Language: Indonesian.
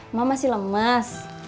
emang masih lemas